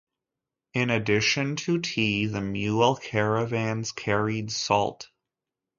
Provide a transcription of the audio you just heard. In addition to tea, the mule caravans carried salt.